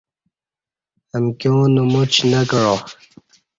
امکیاں نماچ نہ کعا